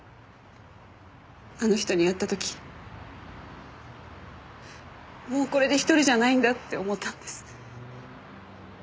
あの人に会った時もうこれで１人じゃないんだって思ったんです。